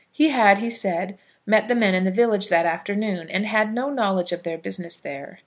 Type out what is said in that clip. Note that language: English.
He had, he said, met the men in the village that afternoon, and had no knowledge of their business there.